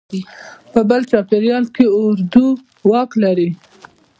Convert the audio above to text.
په بل چاپېریال کې اردو واک لري.